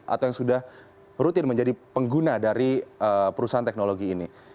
atau yang sudah rutin menjadi pengguna dari perusahaan teknologi ini